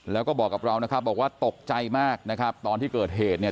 แล้วก็บอกกับเรานะครับบอกว่าตกใจมากนะครับตอนที่เกิดเหตุเนี่ย